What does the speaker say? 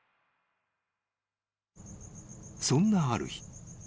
［そんなある日］